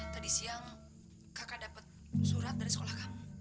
tadi siang kakak dapat surat dari sekolah kamu